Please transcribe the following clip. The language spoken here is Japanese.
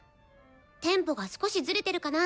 テンポが少しズレてるかな。